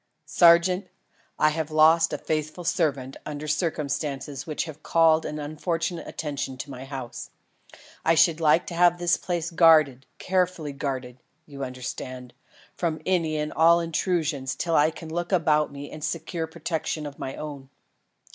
"Sergeant, I have lost a faithful servant under circumstances which have called an unfortunate attention to my house. I should like to have this place guarded carefully guarded, you understand from any and all intrusion till I can look about me and secure protection of my own.